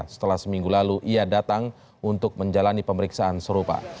setelah seminggu lalu ia datang untuk menjalani pemeriksaan serupa